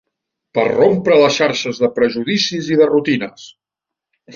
Per rompre les xarxes de prejudicis i de rutines